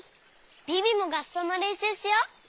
ビビもがっそうのれんしゅうしよう！